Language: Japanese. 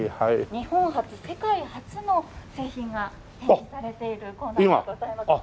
日本初世界初の製品が展示されているコーナーでございます。